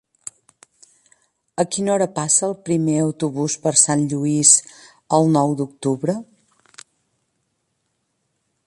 A quina hora passa el primer autobús per Sant Lluís el nou d'octubre?